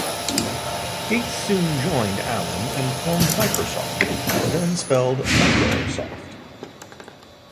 Gates soon joined Allen and formed Microsoft, then spelled "Micro-Soft".